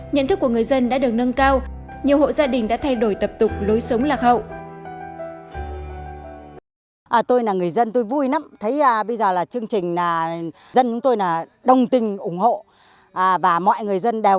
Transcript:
nhận thức của người dân đã được nâng cao nhiều hộ gia đình đã thay đổi tập tục lối sống lạc hậu